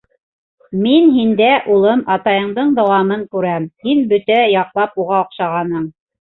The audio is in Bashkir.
Мин һиндә, улым, атайыңдың дауамын күрәм, һин бөтә яҡлап уға оҡшағанһың.